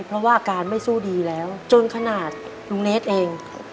เพราะว่าอาการไม่สู้ดีแล้วจนขนาดลุงเนสเอง